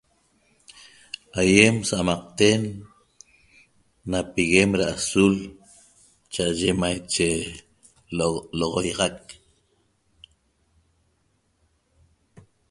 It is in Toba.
Aiem sa'amaqten na piguem ra azul cha'aye maiche lo'ogoiaxac